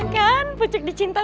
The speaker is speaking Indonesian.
kan pucuk dicinta